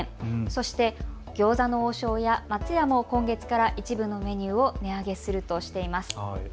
そして餃子の王将や松屋も今月から一部のメニューを値上げするとしています。